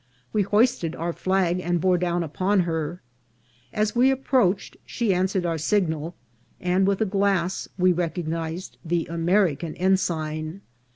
We hoisted our flag and bore down upon her. As we approached she answered our signal, and with a glass we recognised the American ensign.